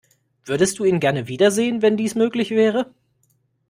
Würdest du ihn gerne wiedersehen, wenn dies möglich wäre?